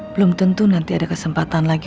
belum tentu nanti ada kesempatan lagi